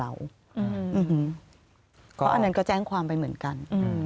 อันนั้นก็แจ้งความไปเหมือนกัน